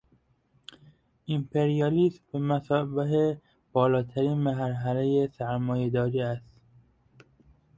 امپریالیسم بمثابهٔ بالاترین مرحلهٔ سرمایه داری است.